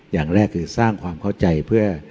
อย่างแรกคือสร้างความเข้าใจเพื่อ